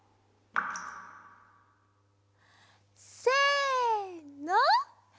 せの。